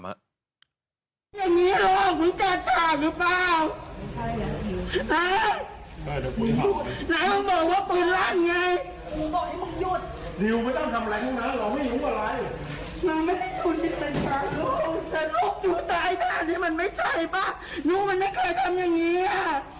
แต่ลูกหนูตายแค่นี้มันไม่ใช่ป่ะลูกมันไม่เคยทำอย่างนี้ค่ะ